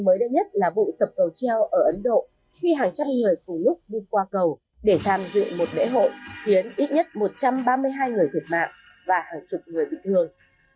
mới đây nhất là vụ sập cầu treo ở ấn độ khi hàng trăm người cùng lúc đi qua cầu để tham dự một lễ hội khiến ít nhất một trăm ba mươi hai người thiệt mạng và hàng chục người bị thương